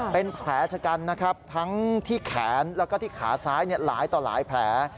เป็นแผลชะกันนะครับทั้งที่แขนแล้วก็ที่ขาซ้ายหลายต่อหลายแผล